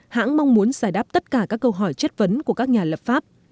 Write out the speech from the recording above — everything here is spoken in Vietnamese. hãng mong muốn giải đáp tất cả các câu hỏi chất vấn của các nhà lập pháp